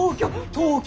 東京！